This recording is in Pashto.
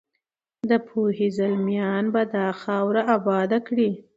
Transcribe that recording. د پوهې زلمیان به دا خاوره اباده کړي.